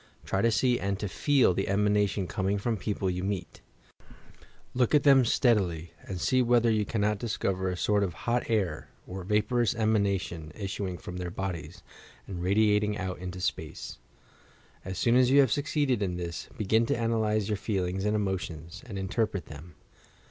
Try to see and to feei the emanation coming from people you meet; look at them steadily, and see whether yon cannot dis cover a sort of hot air or vaporous emanation issuing from their bodies, and radiating out into space. As soon as you have succeeded in this, begin to analyse your feelings and emotions, and interpret them.